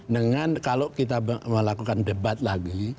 dengan kalau kita melakukan debat lagi